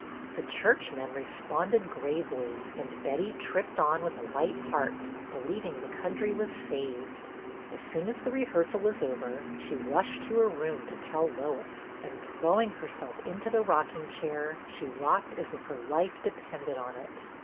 The church men responded gravely, and Betty tripped on with a light heart, believing the country was saved. As soon as the rehearsal was over she rushed to her room to tell Lois, and, throw ing herself into the rocking chair, she rocked as if her life depended on it.